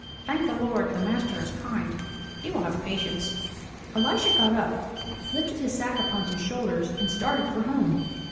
Thank the Lord, the Master is kind. He will have patience." Elisha got up, lifted his sack upon his shoulders, and started for home.